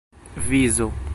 vizo